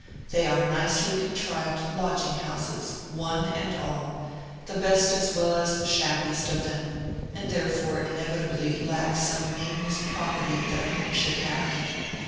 They are nicely contrived lodging houses, one and all, the best as well as the shabbiest of them, and therefore inevitably lack some nameless property that a home should have.